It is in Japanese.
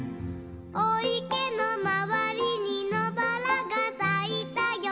「おいけのまわりにのばらがさいたよ」